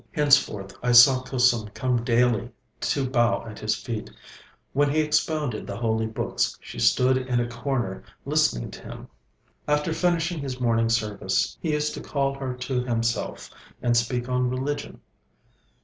Henceforth I saw Kusum come daily to bow at his feet. When he expounded the holy books, she stood in a corner listening to him. After finishing his morning service, he used to call her to himself and speak on religion.